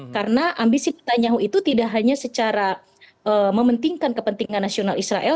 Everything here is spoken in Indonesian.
karena ambisi netanyahu itu tidak hanya secara mementingkan kepentingan nasional israel